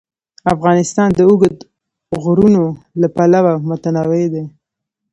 افغانستان د اوږده غرونه له پلوه متنوع دی.